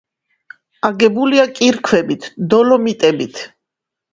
აგებულია კირქვებით, დოლომიტებით.